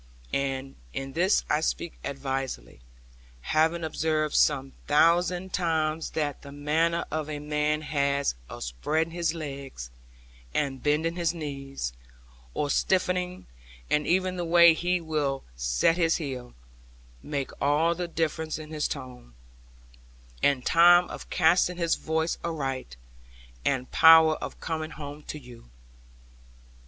And in this I speak advisedly; having observed some thousand times that the manner a man has of spreading his legs, and bending his knees, or stiffening, and even the way he will set his heel, make all the difference in his tone, and time of casting his voice aright, and power of coming home to you.